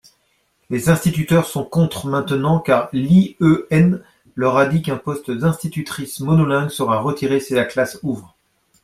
Les instituteurs sont contre maintenant car l’IEN leur a dit qu’un poste d’institutrice monolingue sera retiré si la classe ouvre.